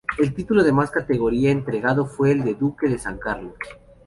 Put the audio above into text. El título de más categoría entregado fue el de Duque de San Carlos.